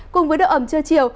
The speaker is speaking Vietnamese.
cùng với độ ẩm chưa chiều